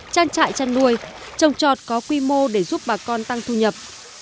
trăn trại trăn nuôi trồng trọt có quy mô để giúp bà con tăng thu nhập